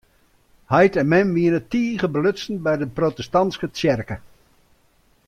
Heit en mem wiene tige belutsen by de protestantske tsjerke.